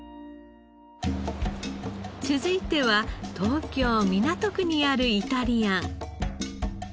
続いては東京港区にあるイタリアン。